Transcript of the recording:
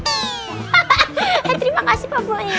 hahaha eh terima kasih pak boy